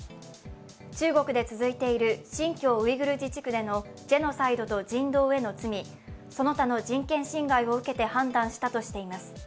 中国で続いている新疆ウイグル自治区でのジェノサイドと人道への罪、その他の人権侵害を受けて判断したとしています。